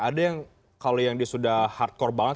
ada yang kalau yang dia sudah hardcore banget